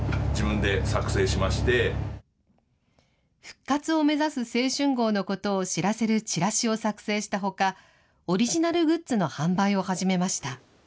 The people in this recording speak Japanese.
復活を目指す青春号のことを知らせるチラシを作成したほか、オリジナルグッズの販売を始めました。